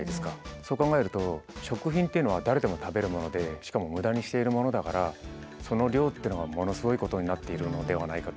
そう考えると食品っていうのは誰でも食べるものでしかも無駄にしているものだからその量っていうのはものすごいことになっているのではないかと。